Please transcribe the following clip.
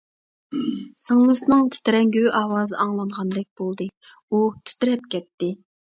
سىڭلىسىنىڭ تىترەڭگۈ ئاۋازى ئاڭلانغاندەك بولدى، ئۇ تىترەپ كەتتى.